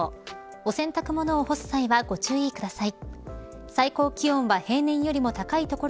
お洗濯物を干す際はご注意ください。